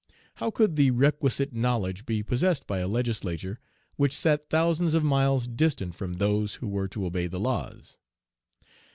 How could the requisite knowledge be possessed by a legislature which sat thousands of miles distant from those who were to obey the laws?